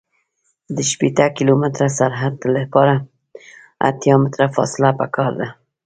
د شپیته کیلومتره سرعت لپاره اتیا متره فاصله پکار ده